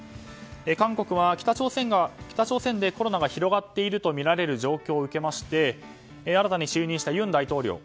韓国は北朝鮮でコロナが広がっているとみられる状況を受けまして新たに就任した尹大統領